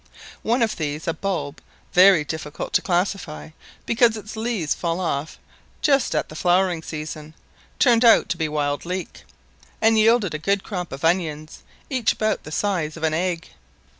One of these, a bulb, very difficult to classify, because its leaves fall off just at the flowering season, turned out to be a wild leek, and yielded a good crop of onions, each about the size of an egg.